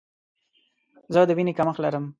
زه د ویني کمښت لرم.